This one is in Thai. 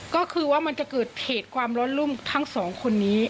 ก็คือว่ามันจะเกิดเหตุความร้อนรุ่มทั้งสองคนนี้